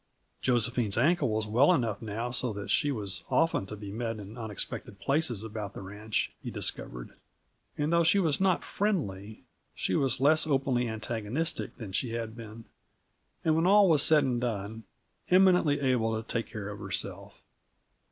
Josephine's ankle was well enough now so that she was often to be met in unexpected places about the ranch, he discovered. And though she was not friendly, she was less openly antagonistic than she had been and when all was said and done, eminently able to take care of herself.